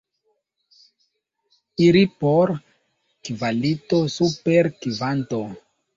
Iri por kvalito super kvanto.